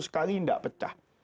seratus kali tidak pecah